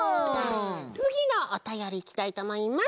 つぎのおたよりいきたいとおもいます。